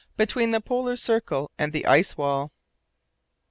BETWEEN THE POLAR CIRCLE AND THE ICE WALL.